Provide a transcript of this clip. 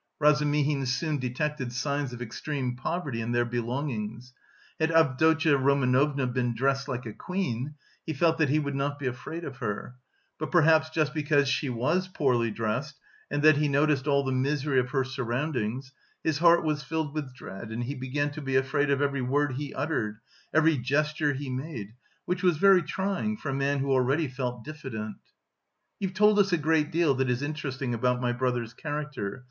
Razumihin soon detected signs of extreme poverty in their belongings. Had Avdotya Romanovna been dressed like a queen, he felt that he would not be afraid of her, but perhaps just because she was poorly dressed and that he noticed all the misery of her surroundings, his heart was filled with dread and he began to be afraid of every word he uttered, every gesture he made, which was very trying for a man who already felt diffident. "You've told us a great deal that is interesting about my brother's character...